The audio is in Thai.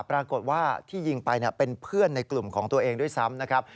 ปรากฏว่าที่ยิงไปเป็นเพื่อนในกลุ่มของตัวเองด้วยซ้ำนะครับ